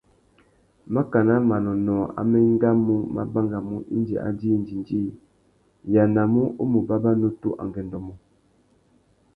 Mákànà manônôh amá engamú mà bangamú indi a djï indjindjï, nʼyānamú u mù bàbà nutu angüêndô mô.